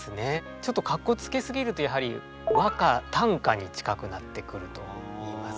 ちょっとかっこつけすぎるとやはり和歌短歌に近くなってくるといいますか。